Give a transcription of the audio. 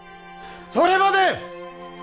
それまで！